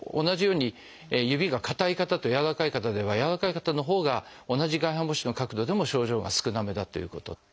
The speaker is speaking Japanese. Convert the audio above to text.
同じように指がかたい方とやわらかい方ではやわらかい方のほうが同じ外反母趾の角度でも症状が少なめだということ。